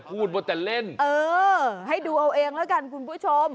พูดว่าแต่เล่นเออให้ดูเอาเองแล้วกันคุณผู้ชม